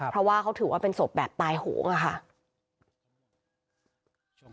เพราะว่าเขาถือว่าเป็นศพแบบตายโหงอะค่ะ